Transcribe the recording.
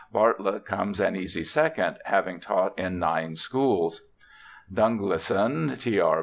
Bartlett comes an easy second, having taught in nine schools. Dunglison, T. R.